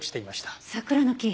桜の木？